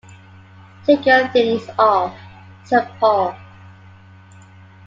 “Take your things off,” said Paul.